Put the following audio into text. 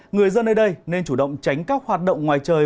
người dân nơi đây nên chủ động tránh các hoạt động ngoài trời